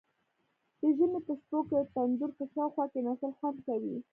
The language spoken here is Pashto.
د ژمي په شپو کې د تندور په شاوخوا کیناستل خوند کوي.